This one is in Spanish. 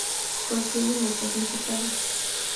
Contiene notas musicales.